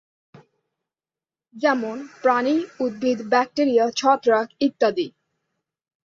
যেমন:- প্রাণী, উদ্ভিদ, ব্যাকটেরিয়া, ছত্রাক ইত্যাদি।